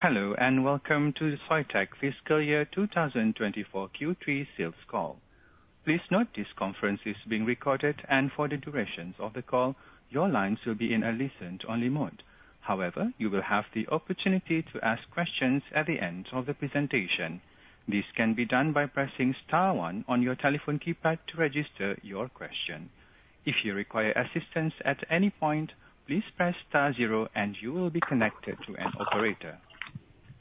Hello, and welcome to Soitec Fiscal Year 2024 Q3 Sales Call. Please note this conference is being recorded and for the duration of the call, your lines will be in a listen-only mode. However, you will have the opportunity to ask questions at the end of the presentation. This can be done by pressing star one on your telephone keypad to register your question. If you require assistance at any point, please press star zero, and you will be connected to an operator.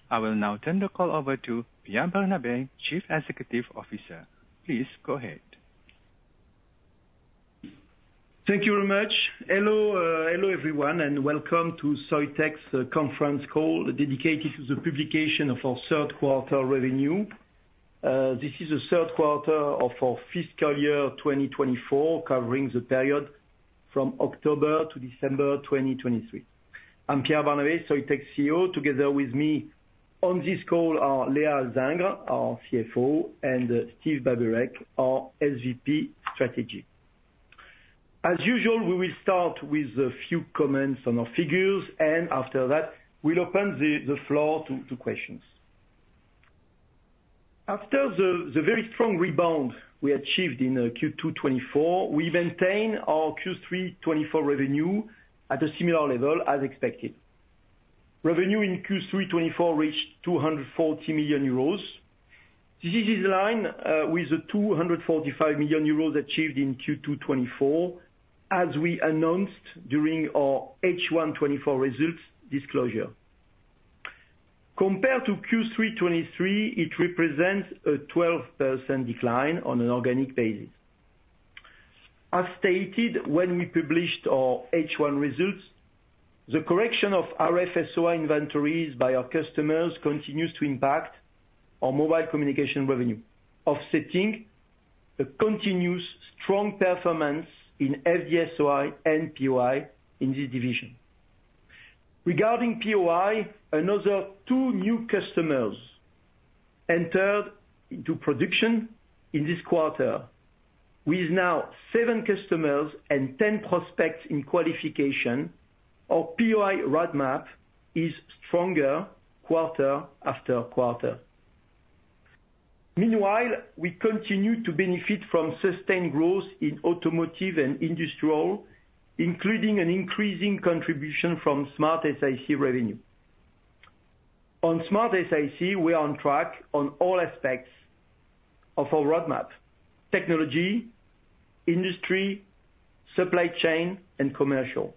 I will now turn the call over to Pierre Barnabé, Chief Executive Officer. Please go ahead. Thank you very much. Hello, hello everyone, and welcome to Soitec's Conference Call, dedicated to the publication of our third quarter revenue. This is the third quarter of our fiscal year 2024, covering the period from October to December 2023. I'm Pierre Barnabé, Soitec's CEO. Together with me on this call are Léa Alzingre, our CFO, and Steve Babureck, our SVP Strategy. As usual, we will start with a few comments on our figures, and after that, we'll open the floor to questions. After the very strong rebound we achieved in Q2 2024, we've maintained our Q3 2024 revenue at a similar level as expected. Revenue in Q3 2024 reached 240 million euros. This is in line with the 245 million euros achieved in Q2 2024, as we announced during our H1 2024 results disclosure. Compared to Q3 2023, it represents a 12% decline on an organic basis. As stated, when we published our H1 results, the correction of RF-SOI inventories by our customers continues to impact our mobile communication revenue, offsetting a continuous strong performance in FD-SOI and POI in this division. Regarding POI, another two new customers entered into production in this quarter. With now seven customers and 10 prospects in qualification, our POI roadmap is stronger quarter after quarter. Meanwhile, we continue to benefit from sustained growth in automotive and industrial, including an increasing contribution from SmartSiC revenue. On SmartSiC, we are on track on all aspects of our roadmap: technology, industry, supply chain, and commercial.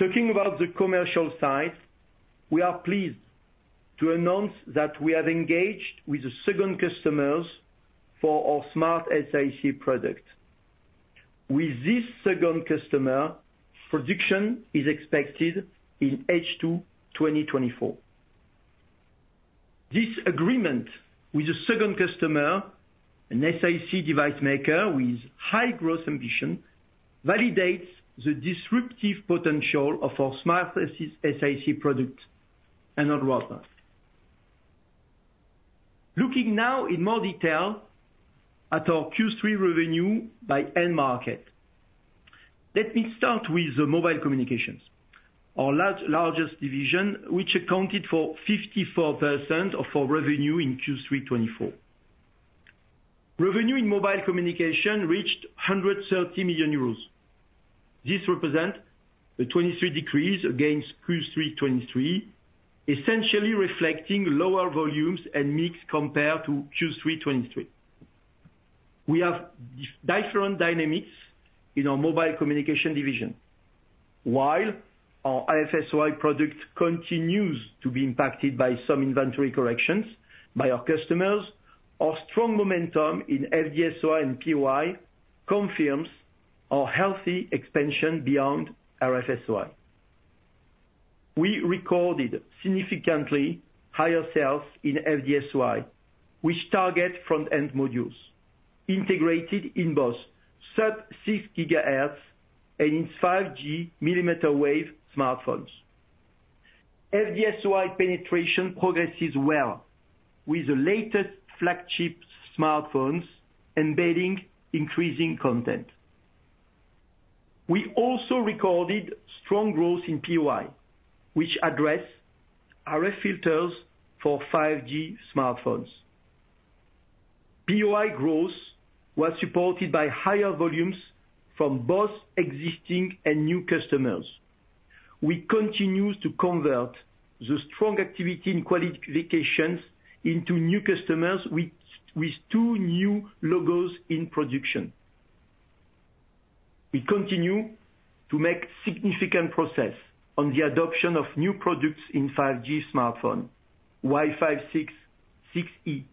Talking about the commercial side, we are pleased to announce that we have engaged with the second customers for our SmartSiC product. With this second customer, production is expected in H2 2024. This agreement with a second customer, an SiC device maker with high growth ambition, validates the disruptive potential of our SmartSiC product and our roadmap. Looking now in more detail at our Q3 revenue by end market. Let me start with the mobile communications, our largest division, which accounted for 54% of our revenue in Q3 2024. Revenue in mobile communication reached 130 million euros. This represent a 23% decrease against Q3 2023, essentially reflecting lower volumes and mix compared to Q3 2023. We have different dynamics in our mobile communication division. While our RF-SOI product continues to be impacted by some inventory corrections by our customers, our strong momentum in FD-SOI and POI confirms our healthy expansion beyond RF-SOI. We recorded significantly higher sales in FD-SOI, which target front-end modules integrated in both sub-6 GHz and in 5G mmWave smartphones. FD-SOI penetration progresses well with the latest flagship smartphones embedding increasing content. We also recorded strong growth in POI, which address RF filters for 5G smartphones. POI growth was supported by higher volumes from both existing and new customers. We continue to convert the strong activity in qualifications into new customers with two new logos in production. We continue to make significant progress on the adoption of new products in 5G smartphone, Wi-Fi 6, 6E,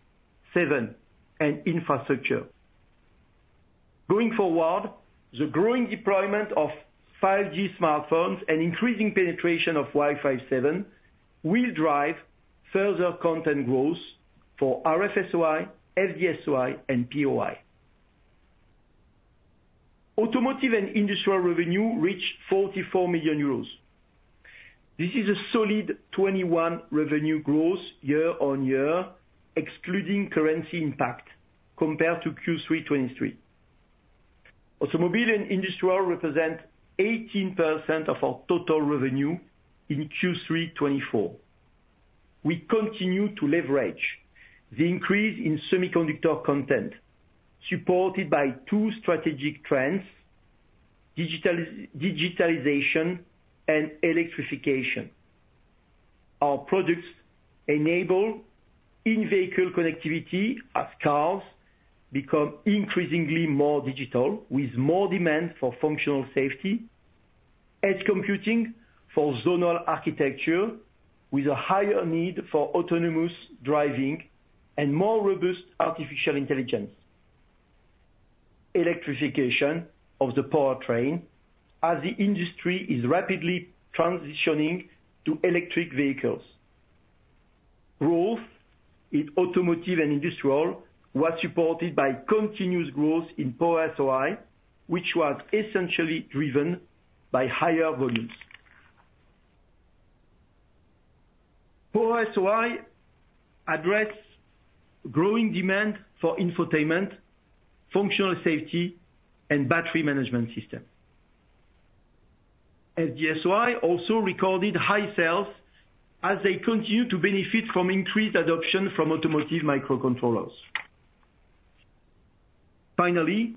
7, and infrastructure. Going forward, the growing deployment of 5G smartphones and increasing penetration of Wi-Fi 7 will drive further content growth for RF-SOI, FD-SOI, and POI. Automotive and industrial revenue reached 44 million euros. This is a solid 21% revenue growth year-on-year, excluding currency impact compared to Q3 2023. Automotive and industrial represent 18% of our total revenue in Q3 2024. We continue to leverage the increase in semiconductor content, supported by two strategic trends: digitalization and electrification. Our products enable in-vehicle connectivity as cars become increasingly more digital, with more demand for functional safety, edge computing for zonal architecture, with a higher need for autonomous driving and more robust artificial intelligence. Electrification of the powertrain as the industry is rapidly transitioning to electric vehicles. Growth in automotive and industrial was supported by continuous growth in Power-SOI, which was essentially driven by higher volumes. Power-SOI addresses growing demand for infotainment, functional safety, and battery management system. FD-SOI also recorded high sales as they continue to benefit from increased adoption from automotive microcontrollers. Finally,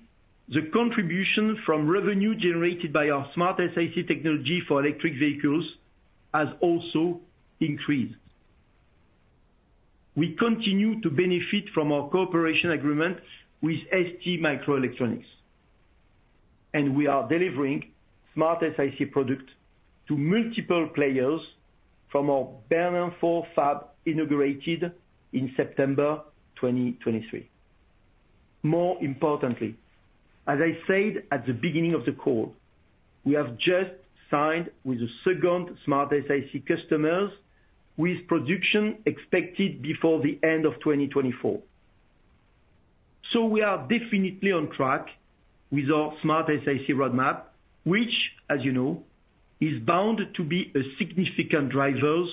the contribution from revenue generated by our SmartSiC technology for electric vehicles has also increased. We continue to benefit from our cooperation agreement with STMicroelectronics, and we are delivering SmartSiC product to multiple players from our Bernin 4 fab, inaugurated in September 2023. More importantly, as I said at the beginning of the call, we have just signed with the second SmartSiC customers, with production expected before the end of 2024. So we are definitely on track with our SmartSiC roadmap, which, as you know, is bound to be a significant drivers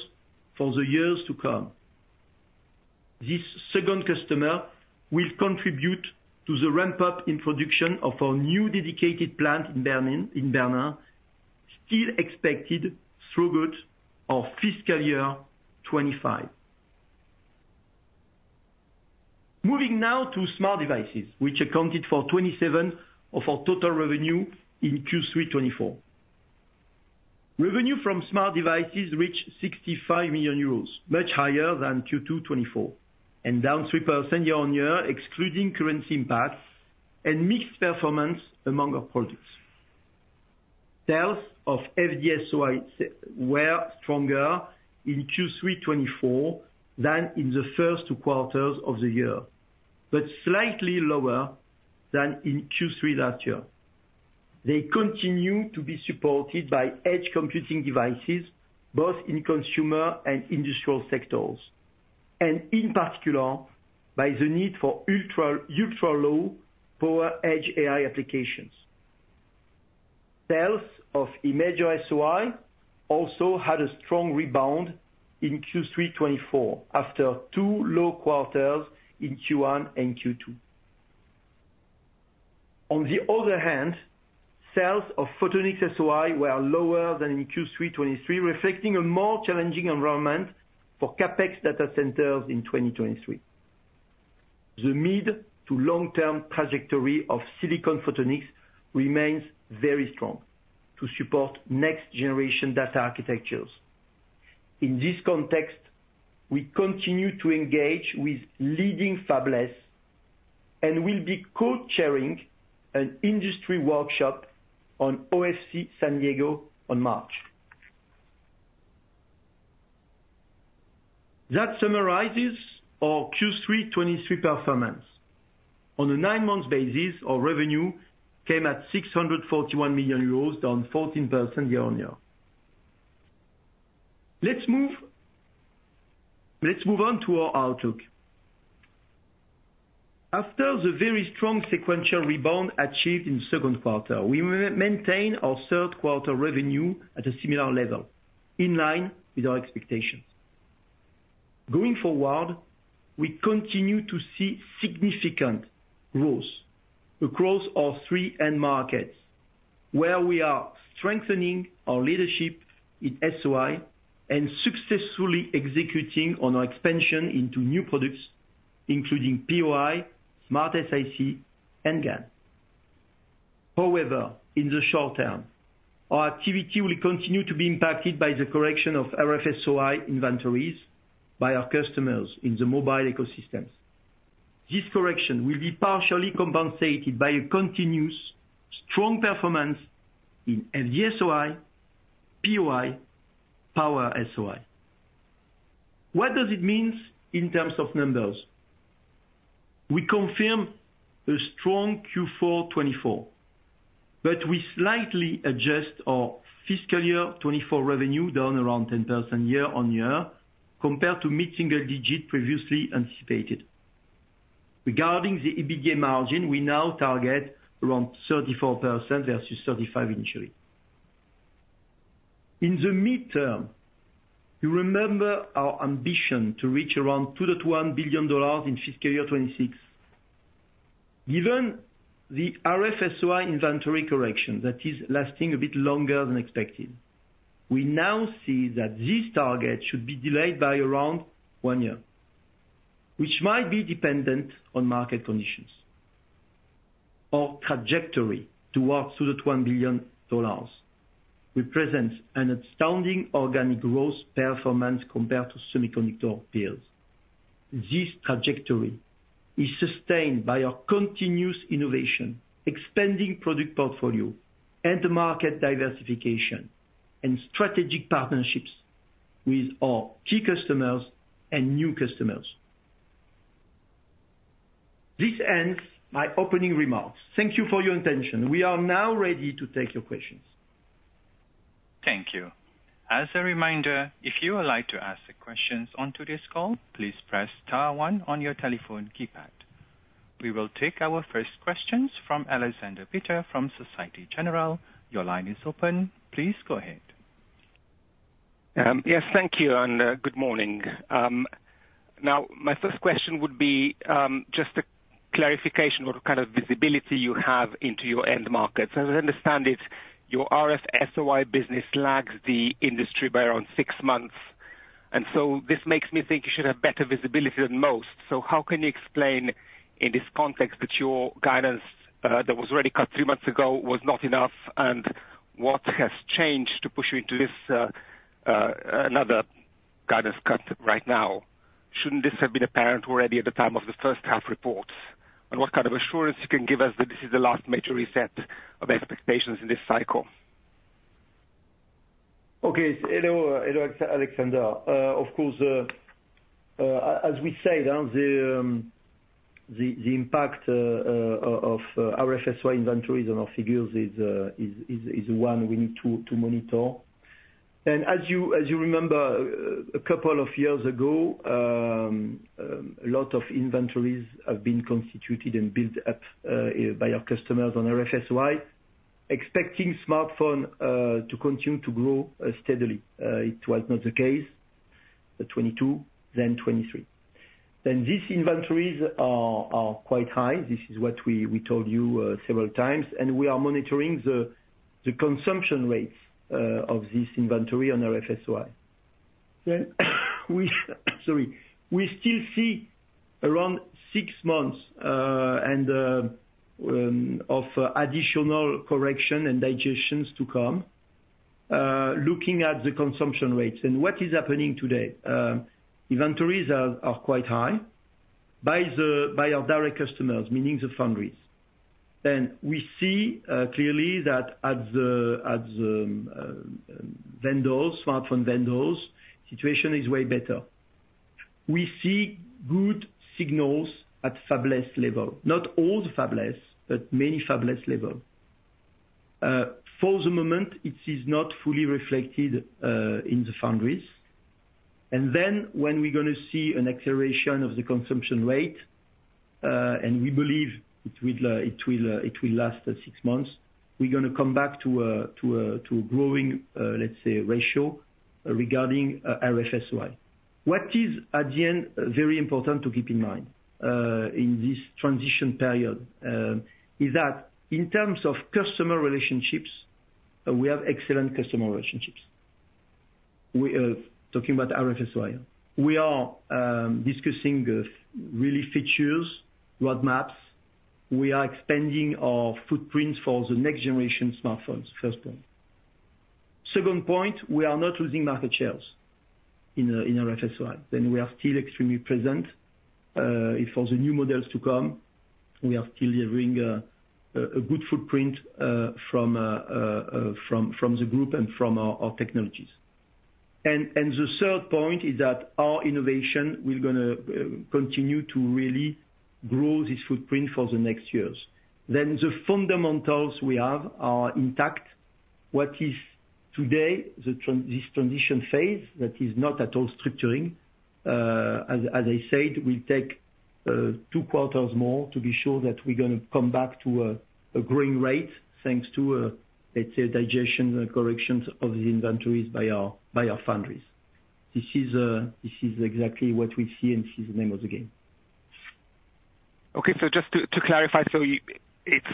for the years to come. This second customer will contribute to the ramp-up in production of our new dedicated plant in Bernin, in Bernin, still expected throughout our fiscal year 2025. Moving now to smart devices, which accounted for 27% of our total revenue in Q3 2024. Revenue from smart devices reached 65 million euros, much higher than Q2 2024, and down 3% year-on-year, excluding currency impacts and mixed performance among our products. Sales of FD-SOI were stronger in Q3 2024 than in the first two quarters of the year, but slightly lower than in Q3 last year. They continue to be supported by edge computing devices, both in consumer and industrial sectors, and in particular by the need for ultra, ultra-low power edge AI applications. Sales of Imager-SOI also had a strong rebound in Q3 2024, after two low quarters in Q1 and Q2. On the other hand, sales of Photonics-SOI were lower than in Q3 2023, reflecting a more challenging environment for CapEx data centers in 2023. The mid to long-term trajectory of silicon photonics remains very strong to support next-generation data architectures. In this context, we continue to engage with leading fabless, and we'll be co-chairing an industry workshop on OFC San Diego on March. That summarizes our Q3 2023 performance. On a nine-month basis, our revenue came at 641 million euros, down 14% year-on-year. Let's move, let's move on to our outlook. After the very strong sequential rebound achieved in the second quarter, we will maintain our third quarter revenue at a similar level, in line with our expectations. Going forward, we continue to see significant growth across our three end markets, where we are strengthening our leadership in SOI and successfully executing on our expansion into new products, including POI, SmartSiC, and GaN. However, in the short term, our activity will continue to be impacted by the correction of FD-SOI inventories by our customers in the mobile ecosystems. This correction will be partially compensated by a continuous strong performance in FDSOI, POI, power-SOI. What does it mean in terms of numbers? We confirm a strong Q4 2024, but we slightly adjust our fiscal year 2024 revenue down around 10% year-on-year, compared to mid-single digit previously anticipated. Regarding the EBITDA margin, we now target around 34% versus 35% initially. In the midterm, you remember our ambition to reach around $2.1 billion in fiscal year 2026. Given the RF-SOI inventory correction that is lasting a bit longer than expected, we now see that this target should be delayed by around one year, which might be dependent on market conditions. Our trajectory towards $2.1 billion represents an astounding organic growth performance compared to semiconductor peers. This trajectory is sustained by our continuous innovation, expanding product portfolio, and the market diversification and strategic partnerships with our key customers and new customers. This ends my opening remarks. Thank you for your attention. We are now ready to take your questions. Thank you. As a reminder, if you would like to ask questions onto this call, please press star one on your telephone keypad. We will take our first questions from Alexander Peterc from Societe Generale. Your line is open. Please go ahead. Yes, thank you, and good morning. Now, my first question would be, just a clarification, what kind of visibility you have into your end markets? As I understand it, your RF-SOI business lags the industry by around six months, and so this makes me think you should have better visibility than most. So how can you explain, in this context, that your guidance, that was already cut two months ago, was not enough, and what has changed to push you into this, another guidance cut right now? Shouldn't this have been apparent already at the time of the first half report? And what kind of assurance you can give us that this is the last major reset of expectations in this cycle? Okay. Hello, hello, Alexander. Of course, as we say, the impact of RF-SOI inventories on our figures is one we need to monitor. And as you remember, a couple of years ago, a lot of inventories have been constituted and built up by our customers on RF-SOI, expecting smartphone to continue to grow steadily. It was not the case, 2022, then 2023. These inventories are quite high. This is what we told you several times, and we are monitoring the consumption rates of this inventory on RF-SOI. Then, we—Sorry. We still see around six months and of additional correction and adjustments to come, looking at the consumption rates. What is happening today, inventories are quite high by our direct customers, meaning the foundries. We see clearly that at the smartphone vendors, situation is way better. We see good signals at fabless level, not all the fabless, but many fabless level. For the moment, it is not fully reflected in the foundries. And then when we're gonna see an acceleration of the consumption rate, and we believe it will last six months, we're gonna come back to a growing, let's say, ratio regarding RF-SOI. What is, at the end, very important to keep in mind in this transition period is that in terms of customer relationships, we have excellent customer relationships. We are talking about RF-SOI. We are discussing really features, roadmaps. We are expanding our footprint for the next-generation smartphones, first point. Second point, we are not losing market shares in RF-SOI, and we are still extremely present for the new models to come. We are still having a good footprint from the group and from our technologies. And the third point is that our innovation, we're gonna continue to really grow this footprint for the next years. Then the fundamentals we have are intact. What is today this transition phase, that is not at all structuring, as I said, will take two quarters more to be sure that we're gonna come back to a growing rate, thanks to, let's say, digestion and corrections of the inventories by our foundries. This is, this is exactly what we see, and this is the name of the game. Okay, so just to clarify, it's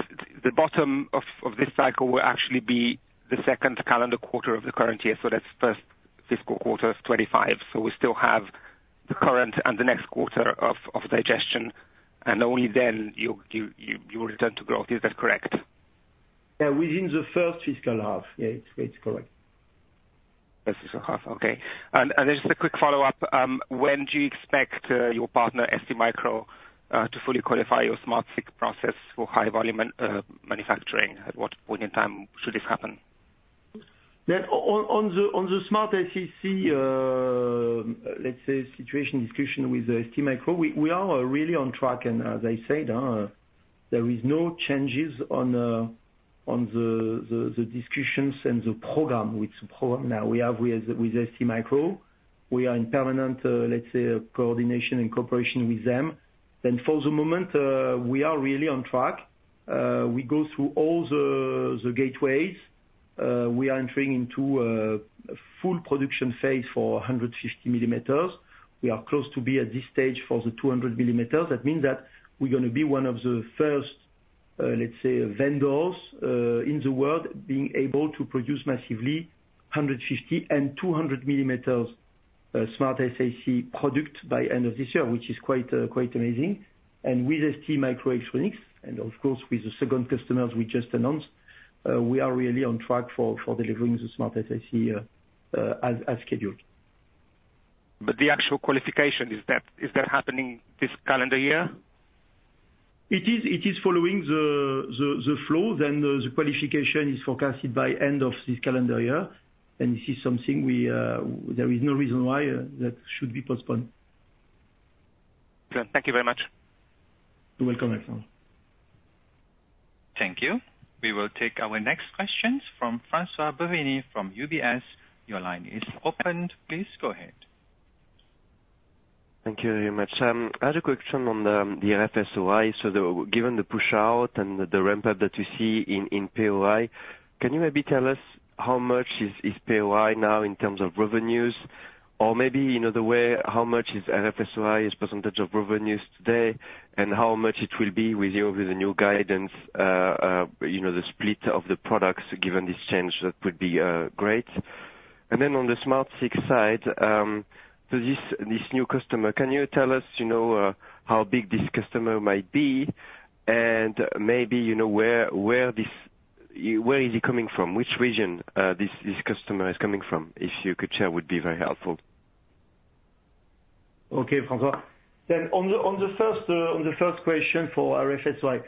the bottom of this cycle will actually be the second calendar quarter of the current year, so that's first fiscal quarter of 2025. So we still have the current and the next quarter of digestion, and only then you will return to growth. Is that correct? Yeah, within the first fiscal half, yeah, it's correct. First fiscal half, okay. Just a quick follow-up, when do you expect your partner, STMicro, to fully qualify your SmartSiC process for high-volume manufacturing? At what point in time should this happen? Yeah, on the SmartSiC, let's say situation discussion with STMicro, we are really on track, and as I said, there is no changes on the discussions and the program, with the program now we have with STMicro. We are in permanent, let's say, coordination and cooperation with them. Then for the moment, we are really on track. We go through all the gateways. We are entering into a full production phase for 150 mm. We are close to be at this stage for the 200 mm. That means that we're gonna be one of the first, let's say, vendors, in the world, being able to produce massively 150 mm and 200 mm, SmartSiC product by end of this year, which is quite, quite amazing. And with STMicroelectronics, and of course, with the second customers we just announced, we are really on track for, for delivering the SmartSiC, as, as scheduled. But the actual qualification, is that happening this calendar year? It is following the flow, then the qualification is forecasted by end of this calendar year. This is something we, there is no reason why that should be postponed. Thank you very much. You're welcome, Alexander. Thank you. We will take our next questions from François Bouvignies from UBS. Your line is opened. Please go ahead. Thank you very much. I have a question on the RF-SOI. So given the push out and the ramp up that you see in POI, can you maybe tell us how much is POI now in terms of revenues? Or maybe another way, how much is RF-SOI as percentage of revenues today, and how much it will be with the new guidance, you know, the split of the products, given this change, that would be great. And then on the SmartSiC side, so this new customer, can you tell us, you know, how big this customer might be? And maybe, you know, where this, where is he coming from, which region this customer is coming from? If you could share, would be very helpful. Okay, François. Then on the first question for RF-SOI.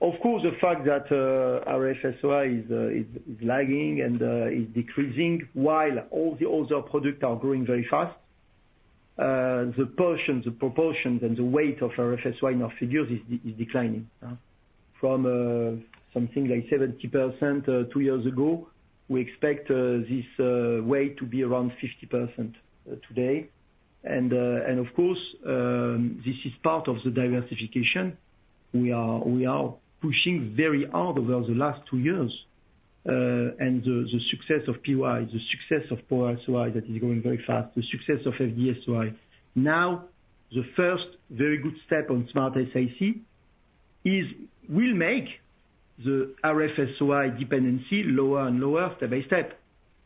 Of course, the fact that RF-SOI is lagging and is decreasing, while all the other products are growing very fast. The portions, the proportions, and the weight of RF-SOI in our figures is declining. From something like 70%, two years ago, we expect this weight to be around 50%, today. And of course, this is part of the diversification. We are pushing very hard over the last two years, and the success of POI, the success of POI SOI that is growing very fast, the success of FD-SOI. Now, the first very good step on SmartSiC will make the RF-SOI dependency lower and lower, step by step.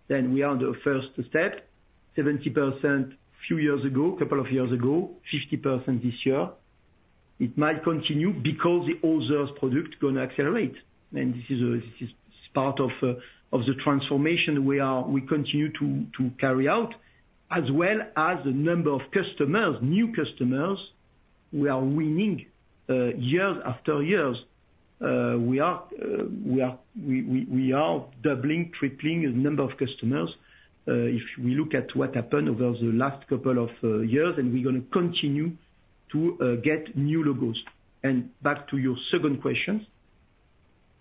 Then we are on the first step, 70% a few years ago, a couple of years ago, 50% this year. It might continue because the other products gonna accelerate, and this is part of the transformation we continue to carry out, as well as the number of new customers we are winning years after years. We are doubling, tripling the number of customers. If we look at what happened over the last couple of years, and we're gonna continue to get new logos. And back to your second question,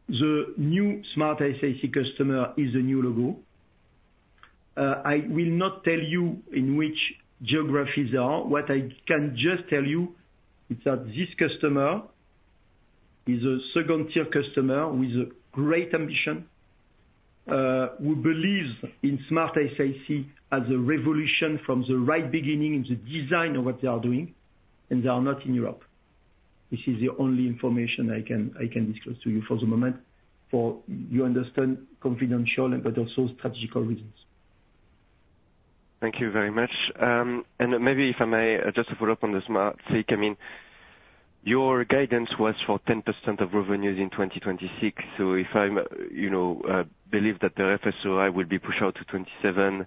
the new SmartSiC customer is a new logo. I will not tell you in which geographies they are. What I can just tell you is that this customer is a second-tier customer with great ambition, who believes in SmartSiC as a revolution from the right beginning in the design of what they are doing, and they are not in Europe. This is the only information I can disclose to you for the moment, so you understand, for confidential but also strategic reasons. Thank you very much. And maybe if I may, just to follow up on the SmartSiC, I mean, your guidance was for 10% of revenues in 2026. So if I'm, you know, believe that the RF-SOI will be pushed out to 2027,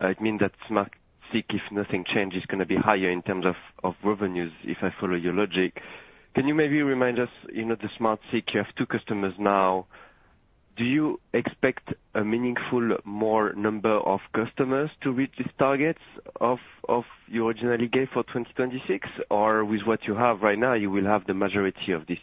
it means that SmartSiC, if nothing changes, is gonna be higher in terms of, of revenues, if I follow your logic. Can you maybe remind us, you know, the SmartSiC, you have two customers now. Do you expect a meaningful more number of customers to reach these targets of, of you originally gave for 2026? Or with what you have right now, you will have the majority of this?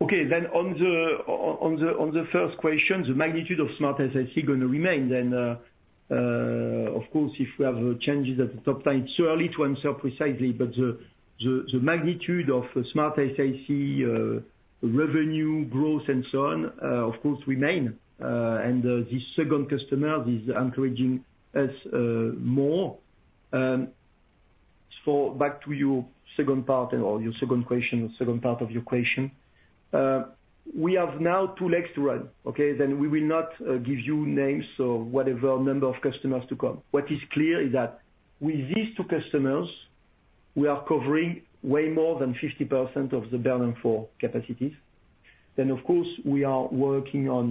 Okay. Then on the first question, the magnitude of SmartSiC is gonna remain. Then, of course, if we have changes at the top line, it's too early to answer precisely, but the magnitude of SmartSiC revenue growth and so on, of course, remain. And this second customer is encouraging us more. So back to your second part or your second question, or second part of your question. We have now two legs to run, okay? Then we will not give you names or whatever number of customers to come. What is clear is that with these two customers, we are covering way more than 50% of the Bernin four capacities. Then, of course, we are working on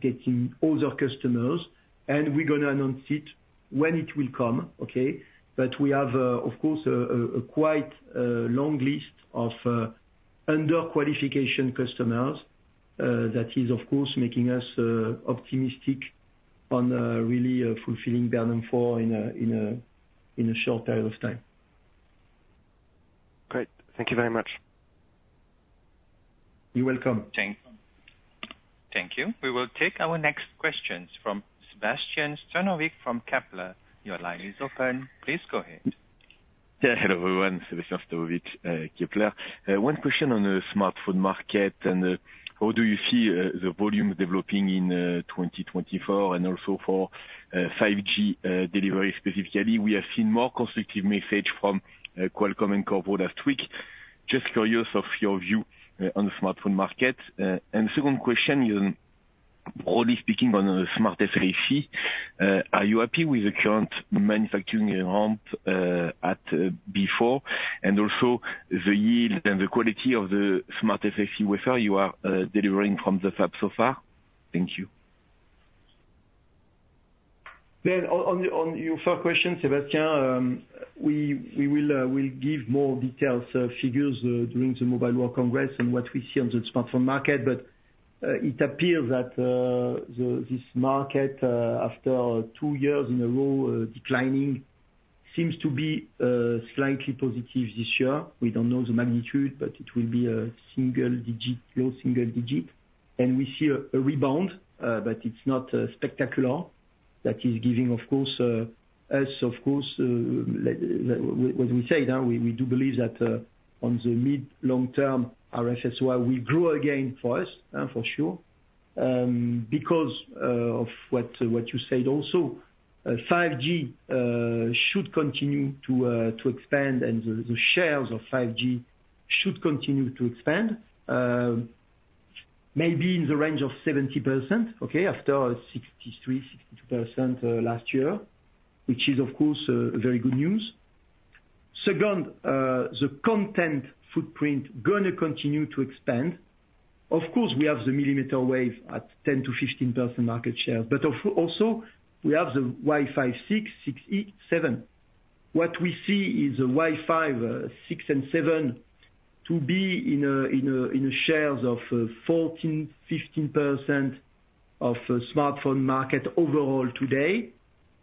getting other customers, and we're gonna announce it when it will come, okay? But we have, of course, a quite long list of under qualification customers, that is, of course, making us optimistic on really fulfilling Bernin four in a short period of time. Great. Thank you very much.... You're welcome. Thank you. We will take our next questions from Sebastien Sztabowicz from Kepler Cheuvreux. Your line is open, please go ahead. Yeah, hello, everyone, Sebastien Sztabowicz, Kepler. One question on the smartphone market, and how do you see the volume developing in 2024, and also for 5G delivery specifically? We have seen more constructive message from Qualcomm and Qualcomm last week. Just curious of your view on the smartphone market. And second question is, broadly speaking, on a SmartSiC, are you happy with the current manufacturing environment at Bernin, and also the yield and the quality of the SmartSiC wafer you are delivering from the fab so far? Thank you. Then, on your first question, Sebastien, we will give more details, figures, during the Mobile World Congress and what we see on the smartphone market. But it appears that this market, after two years in a row declining, seems to be slightly positive this year. We don't know the magnitude, but it will be a single digit, low single digit. And we see a rebound, but it's not spectacular. That is giving, of course, us, of course, what we say, now, we do believe that, on the mid long term, RFSOI will grow again for us, for sure. Because of what you said also, 5G should continue to expand, and the shares of 5G should continue to expand, maybe in the range of 70%, okay? After 63%-62% last year, which is, of course, a very good news. Second, the content footprint gonna continue to expand. Of course, we have the millimeter wave at 10%-15% market share, but also, we have the Wi-Fi 6, 6E-7. What we see is a Wi-Fi 6 and 7 to be in shares of 14%-15% of the smartphone market overall today.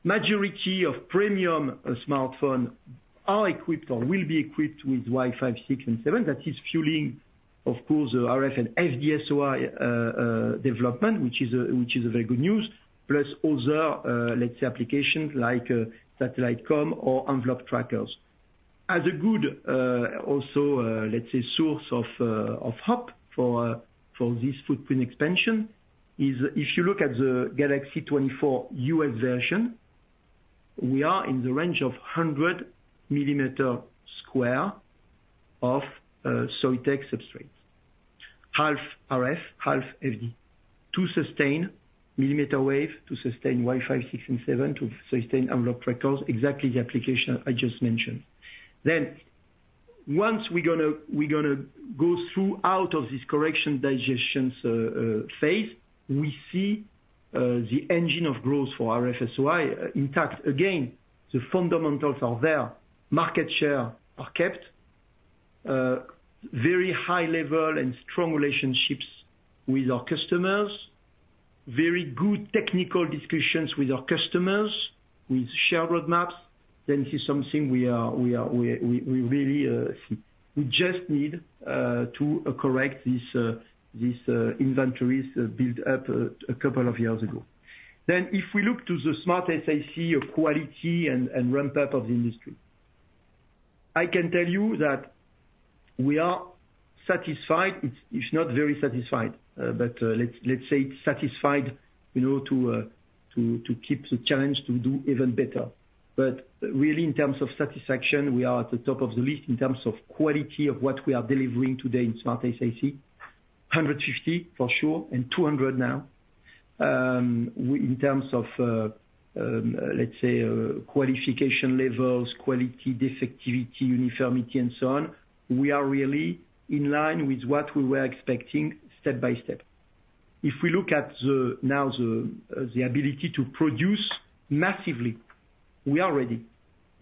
Majority of premium smartphone are equipped or will be equipped with Wi-Fi 6 and 7. That is fueling, of course, the RF and FDSOI development, which is a very good news. Plus other, let's say, applications like satellite comm or envelope trackers. As a good, also, let's say, source of hub for this footprint expansion, is if you look at the Galaxy 24 U.S. version, we are in the range of 100 mm² of Soitec substrates. Half RF, half FD. To sustain mmWave, to sustain Wi-Fi 6 and 7, to sustain envelope trackers, exactly the application I just mentioned. Then, once we're gonna go through out of this correction digestion phase, we see the engine of growth for RFSOI. In fact, again, the fundamentals are there. Market share are kept, very high level and strong relationships with our customers, very good technical discussions with our customers, with shared roadmaps. Then this is something we are really, we just need to correct this, inventories built up a couple of years ago. Then, if we look to the SmartSiC quality and ramp up of the industry, I can tell you that we are satisfied. It's not very satisfied, but let's say satisfied, you know, to keep the challenge to do even better. But really, in terms of satisfaction, we are at the top of the list in terms of quality of what we are delivering today in SmartSiC. 150, for sure, and 200 now. In terms of, let's say, qualification levels, quality, defectivity, uniformity, and so on, we are really in line with what we were expecting step by step. If we look at the ability to produce massively, we are ready.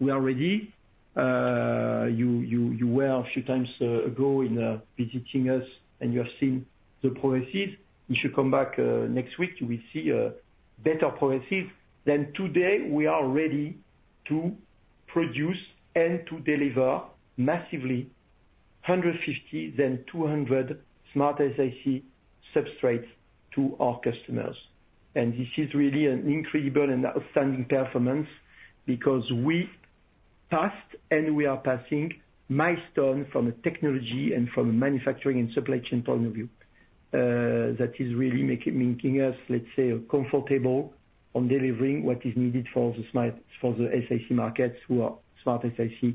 We are ready. You were a few times ago in visiting us, and you have seen the progresses. You should come back, next week, you will see a better progresses. Then today, we are ready to produce and to deliver massively 150, then 200 SmartSiC substrates to our customers. And this is really an incredible and outstanding performance because we passed, and we are passing, milestone from a technology and from a manufacturing and supply chain point of view. That is really making us, let's say, comfortable on delivering what is needed for the SmartSiC markets, who are SmartSiC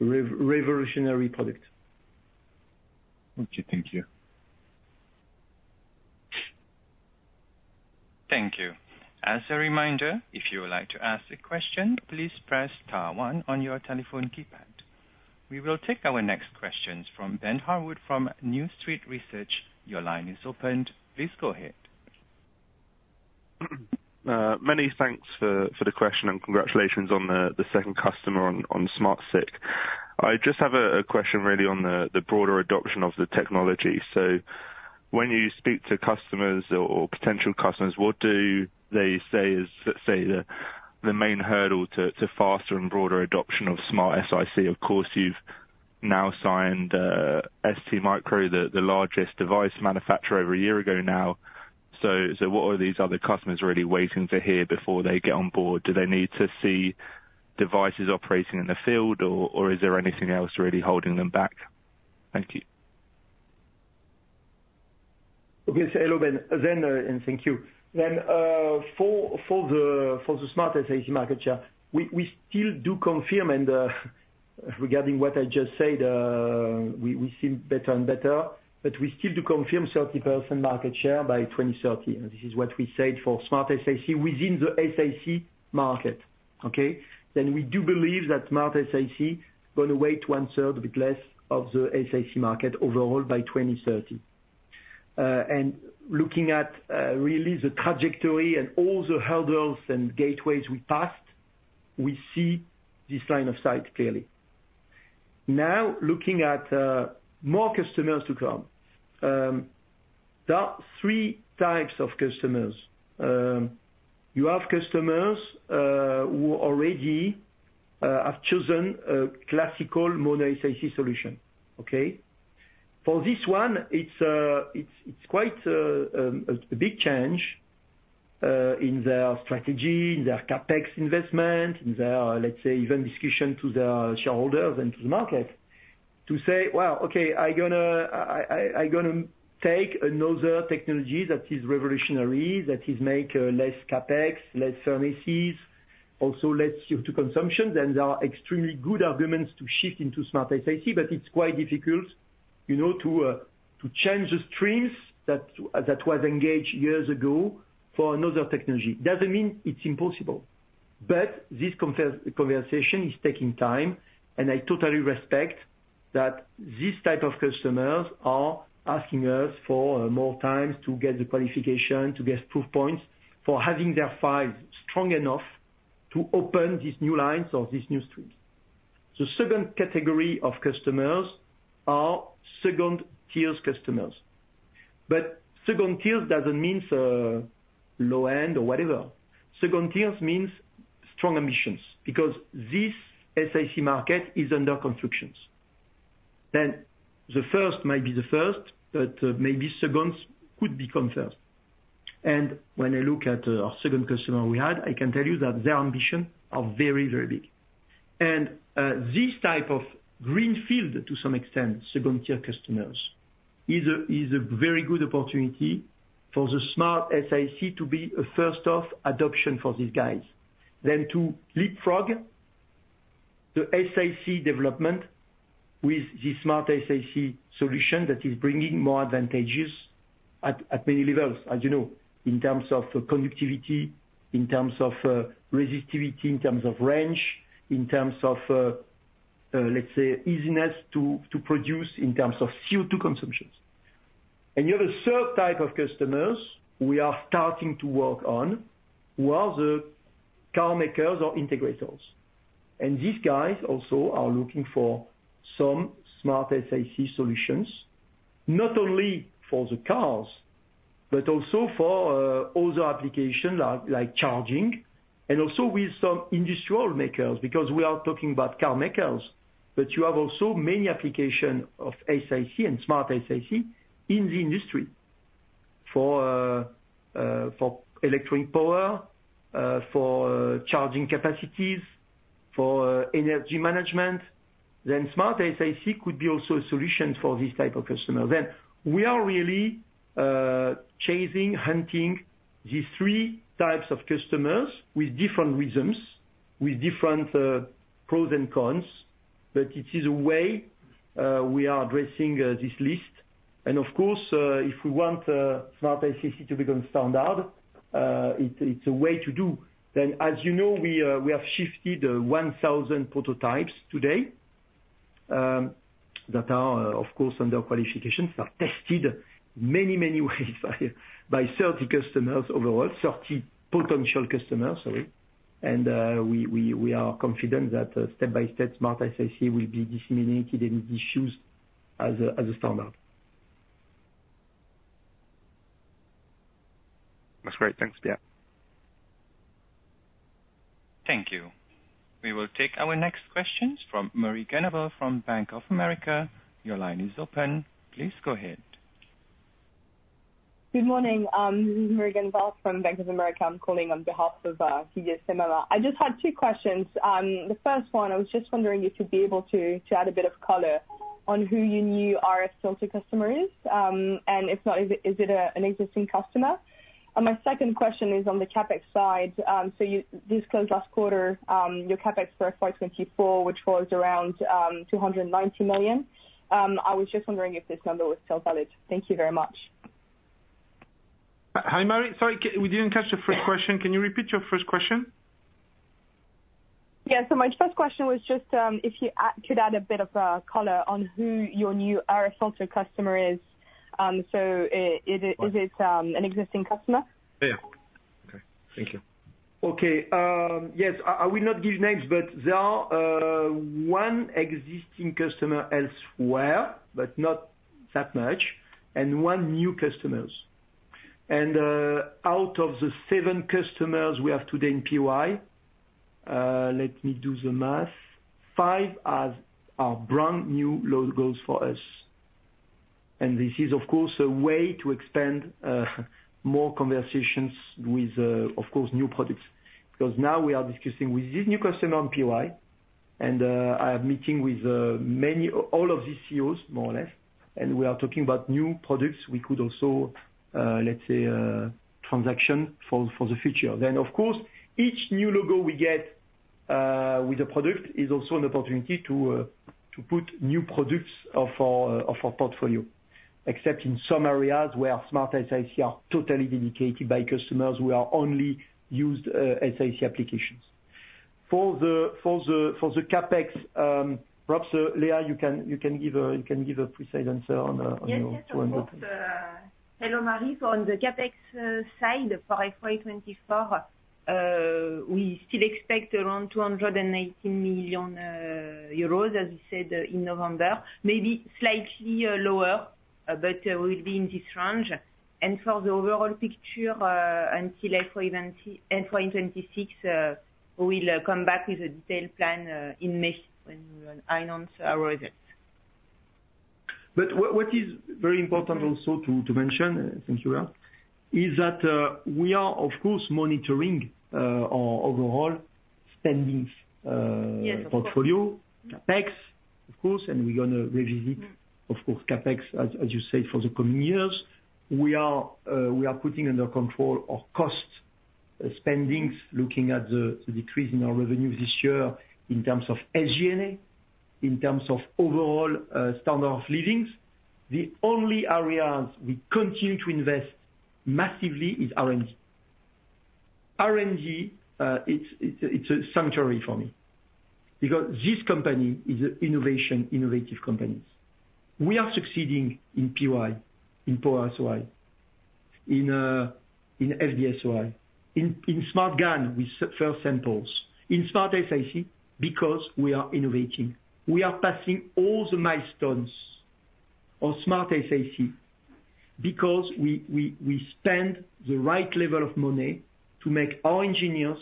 revolutionary product. Okay, thank you. Thank you. As a reminder, if you would like to ask a question, please press star one on your telephone keypad. We will take our next questions from Ben Harwood, from New Street Research. Your line is opened. Please go ahead. Many thanks for the question, and congratulations on the second customer on SmartSiC. I just have a question really on the broader adoption of the technology. So when you speak to customers or potential customers, what do they say is, say, the-... the main hurdle to faster and broader adoption of SmartSiC. Of course, you've now signed STMicroelectronics, the largest device manufacturer, over a year ago now. So what are these other customers really waiting to hear before they get on board? Do they need to see devices operating in the field, or is there anything else really holding them back? Thank you. Okay. Hello, Ben, and thank you. For the SmartSiC market share, we still do confirm, and regarding what I just said, we seem better and better. But we still do confirm 30% market share by 2030. This is what we said for SmartSiC within the SiC market, okay? Then we do believe that SmartSiC is gonna weigh one third, a bit less, of the SiC market overall by 2030. And looking at really the trajectory and all the hurdles and gateways we passed, we see this line of sight clearly. Now, looking at more customers to come. There are three types of customers. You have customers who already have chosen a classical mono SiC solution, okay? For this one, it's quite a big change in their strategy, in their CapEx investment, in their, let's say, even discussion to their shareholders and to the market. To say, "Well, okay, I'm gonna take another technology that is revolutionary, that is make less CapEx, less services, also less CO2 consumption," then there are extremely good arguments to shift into SmartSiC. But it's quite difficult, you know, to change the streams that was engaged years ago, for another technology. Doesn't mean it's impossible. But this conversation is taking time, and I totally respect that these type of customers are asking us for more time to get the qualification, to get proof points, for having their files strong enough to open these new lines or these new streams. The second category of customers are second-tier customers. But second-tier doesn't mean, low-end or whatever. Second-tiers means strong ambitions, because this SiC market is under construction. Then, the first might be the first, but, maybe seconds could become first. And when I look at, our second customer we had, I can tell you that their ambition are very, very big. And, this type of greenfield, to some extent, second-tier customers, is a, is a very good opportunity for the Smart SiC to be a first-off adoption for these guys. Then to leapfrog the SiC development with the Smart SiC solution that is bringing more advantages at, many levels, as you know. In terms of conductivity, in terms of, resistivity, in terms of range, in terms of, let's say, easiness to, to produce, in terms of CO2 consumptions. You have a third type of customers we are starting to work on, who are the car makers or integrators. These guys also are looking for some SmartSiC solutions, not only for the cars, but also for other applications like, like charging, and also with some industrial makers. Because we are talking about car makers, but you have also many application of SiC and SmartSiC in the industry for electric power, for charging capacities, for energy management. SmartSiC could be also a solution for this type of customer. We are really chasing, hunting these three types of customers with different reasons, with different pros and cons, but it is a way we are addressing this list. Of course, if we want SmartSiC to become standard, it is a way to do. Then, as you know, we have shipped 1,000 prototypes today that are, of course, under qualification. So tested many, many ways by 30 customers overall, 30 potential customers, sorry. And we are confident that step by step, SmartSiC will be disseminated and issued as a standard. That's great. Thanks, Pierre. Thank you. We will take our next questions from Marie Genevieve from Bank of America. Your line is open, please go ahead. Good morning, this is Marie Genevieve from Bank of America. I'm calling on behalf of, Didier Scemama. I just had two questions. The first one, I was just wondering if you'd be able to add a bit of color on who your new RF filter customer is? And if not, is it an existing customer? And my second question is on the CapEx side. So you disclosed last quarter, your CapEx for 2024, which was around 290 million. I was just wondering if this number was still valid. Thank you very much. Hi, Marie. Sorry, we didn't catch the first question. Can you repeat your first question? Yeah. So my first question was just if you could add a bit of color on who your new RF filter customer is. So is it- Right. an existing customer? Yeah. Okay, thank you. Okay, yes, I will not give names, but there are one existing customer elsewhere, but not that much, and one new customers. And out of the seven customers we have today in PY, let me do the math. Five are brand new logos for us, and this is, of course, a way to expand more conversations with, of course, new products. Because now we are discussing with this new customer on PY, and I have meeting with many, all of these CEOs, more or less, and we are talking about new products. We could also, let's say, transaction for the future. Then, of course, each new logo we get with the product is also an opportunity to put new products of our portfolio. Except in some areas where SmartSiC are totally dedicated by customers, we are only used SiC applications. For the CapEx, perhaps, Léa, you can give a precise answer on your- Yes, yes. Of course, hello, Marie. On the CapEx side, for FY 2024, we still expect around 218 million euros, as you said in November, maybe slightly lower, but will be in this range. And for the overall picture, until FY 2026, we'll come back with a detailed plan in May, when we will announce our results. But what is very important also to mention, thank you, Léa, is that we are, of course, monitoring our overall spendings. Yes. portfolio CapEx, of course, and we're gonna revisit, of course, CapEx, as you say, for the coming years. We are putting under control our cost spending, looking at the decrease in our revenue this year in terms of SG&A, in terms of overall standard of living. The only areas we continue to invest massively is R&D. R&D, it's a sanctuary for me, because this company is innovation, innovative companies. We are succeeding in RF, in Power-SOI, in FD-SOI, in SmartGaN with first samples, in SmartSiC, because we are innovating. We are passing all the milestones of SmartSiC, because we spend the right level of money to make our engineers,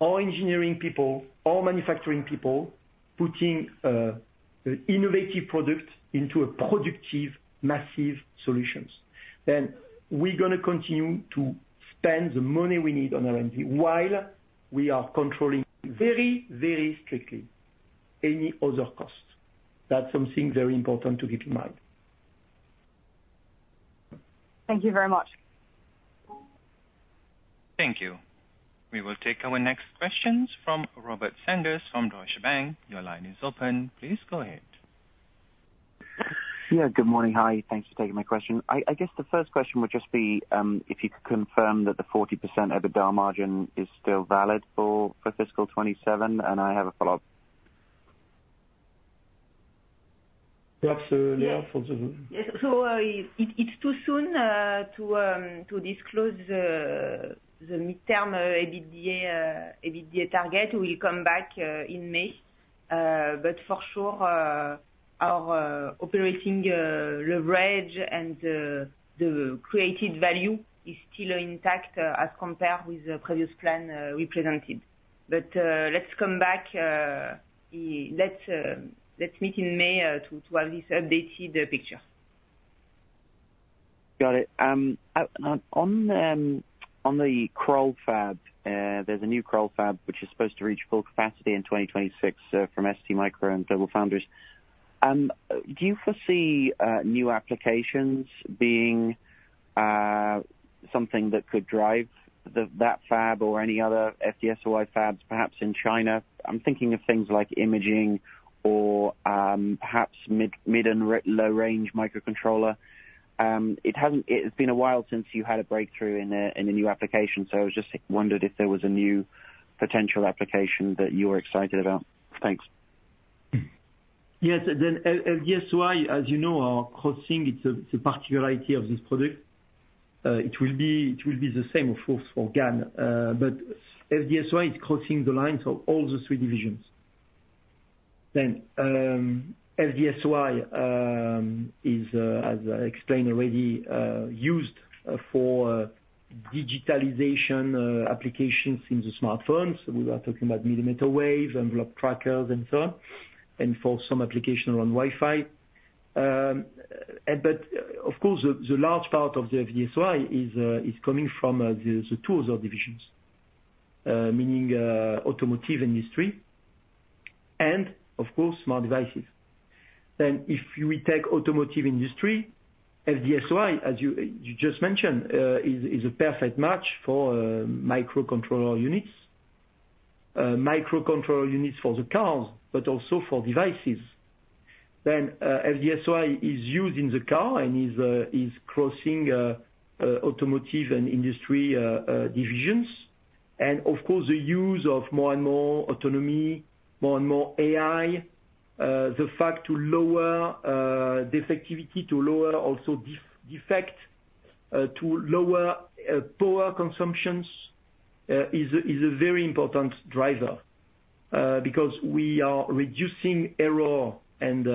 our engineering people, our manufacturing people putting innovative product into a productive, massive solutions. Then we're gonna continue to spend the money we need on R&D, while we are controlling very, very strictly any other costs. That's something very important to keep in mind. Thank you very much. Thank you. We will take our next questions from Robert Sanders from Deutsche Bank. Your line is open, please go ahead. Yeah, good morning. Hi, thanks for taking my question. I, I guess the first question would just be, if you could confirm that the 40% EBITDA margin is still valid for, for fiscal 2027, and I have a follow-up. Perhaps, Léa, for the- Yes. So, it's too soon to disclose the midterm EBITDA target. We come back in May. But for sure, our operating leverage and the created value is still intact as compared with the previous plan we presented. But, let's come back. Let's meet in May to have this updated picture. Got it. On the Crolles fab, there's a new Crolles fab, which is supposed to reach full capacity in 2026 from STMicro and GlobalFoundries. Do you foresee new applications being something that could drive that fab or any other FD-SOI fabs, perhaps in China? I'm thinking of things like imaging or perhaps mid and low range microcontroller. It hasn't... It's been a while since you had a breakthrough in a new application, so I was just wondered if there was a new potential application that you're excited about. Thanks. Yes, then FD-SOI, as you know, are crossing, it's a particularity of this product. It will be the same, of course, for GaN. But FD-SOI is crossing the lines of all the three divisions. Then, FD-SOI is, as I explained already, used for digitalization applications in the smartphones. We are talking about millimeter wave, envelope trackers and so on, and for some application around Wi-Fi. But of course, the large part of the FD-SOI is coming from the two divisions, meaning automotive industry and of course, smart devices. Then if you take automotive industry, FD-SOI, as you just mentioned, is a perfect match for microcontroller units. Microcontroller units for the cars, but also for devices. Then, FD-SOI is used in the car and is crossing automotive and industry divisions. And of course, the use of more and more autonomy, more and more AI, the fact to lower the efficiency, to lower also defects, to lower power consumptions, is a very important driver. Because we are reducing error and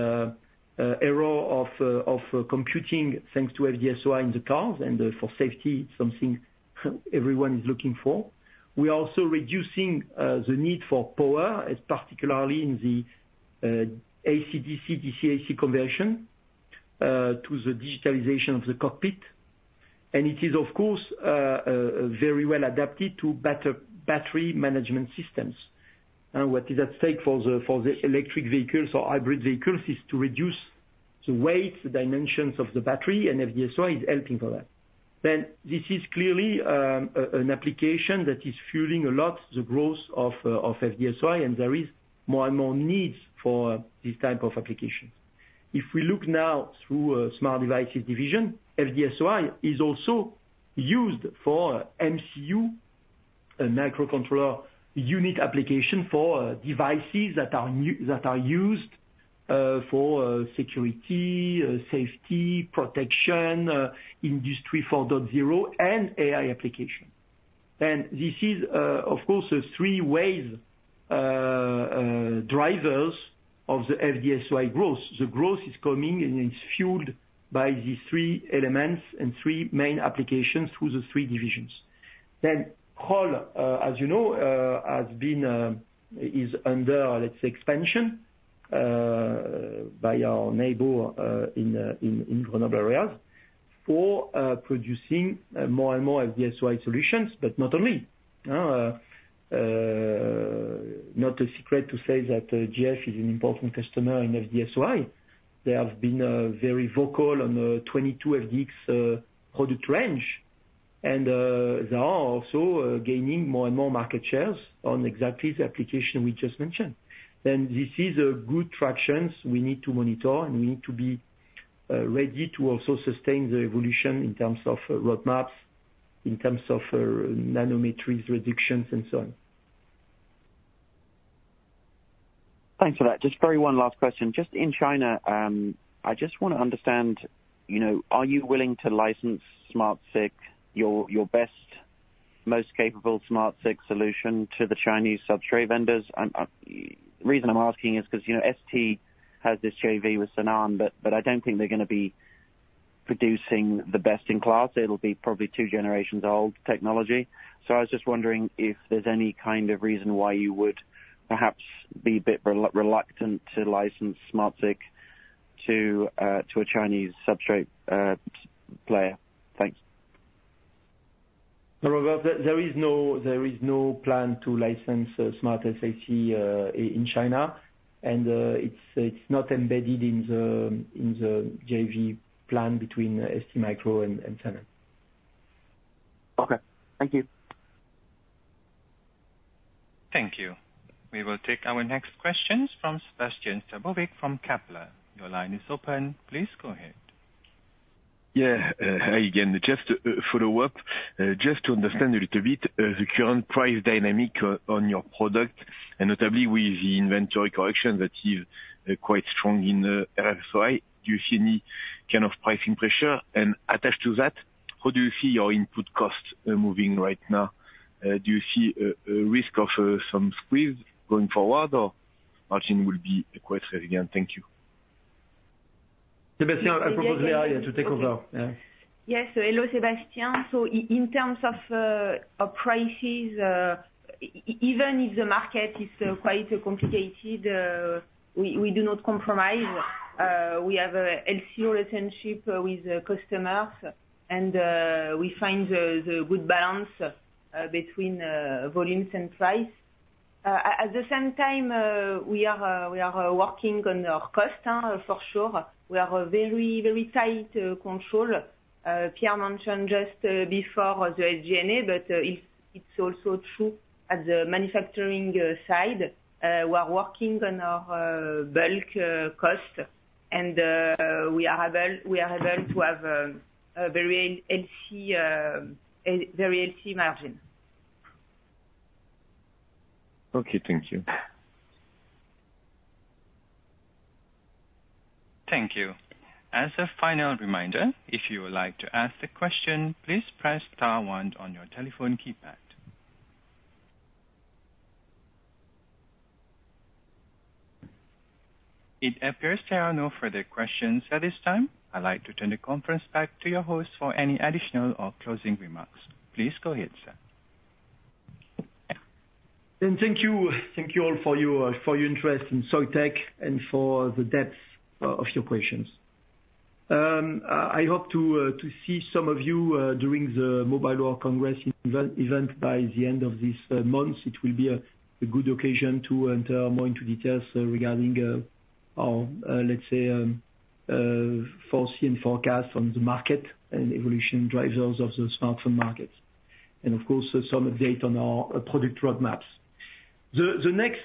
error of computing, thanks to FD-SOI in the cars, and for safety, something everyone is looking for. We are also reducing the need for power, particularly in the AC-DC, DC-AC conversion, to the digitalization of the cockpit. And it is, of course, very well adapted to better battery management systems. What is at stake for the electric vehicles or hybrid vehicles is to reduce the weight, the dimensions of the battery, and FD-SOI is helping for that. This is clearly an application that is fueling a lot the growth of FD-SOI, and there is more and more needs for this type of application. If we look now through Smart Devices division, FD-SOI is also used for MCU, a microcontroller unit application for devices that are used for security, safety, protection, Industry 4.0, and AI application. This is, of course, three-way drivers of the FD-SOI growth. The growth is coming, and it's fueled by these three elements and three main applications through the three divisions. Then hall, as you know, has been is under, let's say, expansion by our neighbor in Grenoble areas for producing more and more FDSOI solutions, but not only. Not a secret to say that GF is an important customer in FDSOI. They have been very vocal on 22FDX product range. And they are also gaining more and more market shares on exactly the application we just mentioned. Then this is a good traction we need to monitor, and we need to be ready to also sustain the evolution in terms of roadmaps, in terms of nanometer reductions, and so on. Thanks for that. Just very one last question. Just in China, I just wanna understand, you know, are you willing to license SmartSiC, your best, most capable SmartSiC solution to the Chinese substrate vendors? I'm, reason I'm asking is because, you know, ST has this JV with Sanan, but I don't think they're gonna be producing the best in class. It'll be probably two generations old technology. So I was just wondering if there's any kind of reason why you would perhaps be a bit reluctant to license SmartSiC to, a Chinese substrate, player? Thank you. No, Robert, there is no plan to license SmartSiC in China, and it's not embedded in the JV plan between ST Micro and Sanan. Okay, thank you. Thank you. We will take our next questions from Sebastien Sztabowicz from Kepler. Your line is open, please go ahead. Yeah, hi again. Just a follow up. Just to understand a little bit the current price dynamic on your product, and notably with the inventory correction that is quite strong in FDSOI. Do you see any kind of pricing pressure? And attached to that, how do you see your input costs moving right now? Do you see a risk of some squeeze going forward, or margin will be quite resilient? Thank you. Sebastien, I propose Marie to take over. Yes. Yes, so hello, Sebastien. So in terms of of prices, even if the market is quite complicated, we do not compromise. We have a healthy relationship with the customers, and we find the good balance between volumes and price. At the same time, we are working on our cost, for sure. We are very, very tight control. Pierre mentioned just before the SG&A, but it's also true at the manufacturing side. We are working on our bulk cost, and we are able to have a very healthy margin. Okay, thank you. Thank you. As a final reminder, if you would like to ask a question, please press star one on your telephone keypad. It appears there are no further questions at this time. I'd like to turn the conference back to your host for any additional or closing remarks. Please go ahead, sir. And thank you, thank you all for your interest in Soitec and for the depth of your questions. I hope to see some of you during the Mobile World Congress event by the end of this month. It will be a good occasion to enter more into details regarding our, let's say, foreseen forecast on the market and evolution drivers of the smartphone markets. And, of course, some update on our product roadmaps. The next-